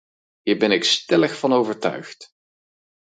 Hier ben ik stellig van overtuigd.